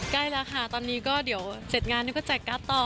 กล้ายแล้วค่ะตอนนี้เดี๋ยวเสร็จงานก็จัดการ์ดต่อ